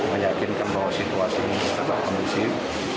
meyakinkan bahwa situasi ini tetap kondisif